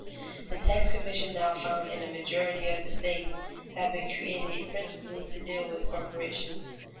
The tax commissions now found in a majority of the states have been created principally to deal with corporations.